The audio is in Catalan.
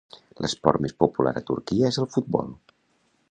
L'esport més popular a Turquia és el futbol.